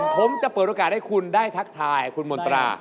ผมจะเปิดโอกาสให้คุณได้ทักทายคุณมนตรา